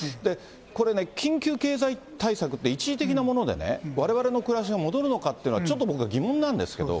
これね、緊急経済対策って一時的なものでね、われわれの暮らしが戻るのかというのはちょっと僕は疑問なんです